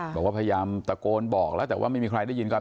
บอกว่าพยายามตะโกนบอกแล้วแต่ว่าไม่มีใครได้ยินครับ